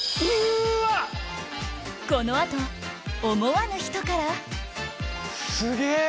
この後思わぬ人からすげぇ！